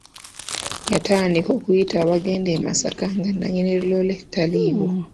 Yatandika okuyita abagenda e Masaka nga nanyini loole taliwo.